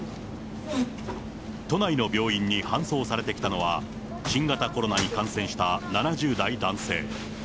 都内の病院に搬送されてきたのは、新型コロナに感染した７０代男性。